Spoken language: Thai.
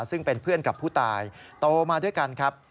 ซึ่งเป็นเพื่อนกับผู้ตายโตมาด้วยกันครับ